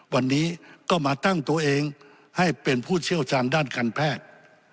วันนี้ก็มาตั้งตัวเองให้เป็นผู้เชี่ยวชาญด้านการแพทย์